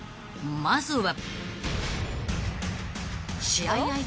［まずは］